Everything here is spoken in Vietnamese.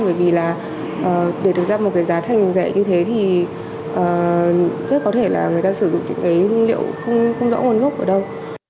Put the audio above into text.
bởi vì để được ra một giá thành rẻ như thế thì rất có thể là người ta sử dụng những hương liệu không rõ nguồn gốc ở đâu